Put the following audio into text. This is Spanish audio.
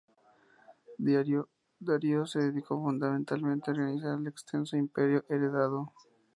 Darío se dedicó fundamentalmente a organizar el extenso imperio heredado.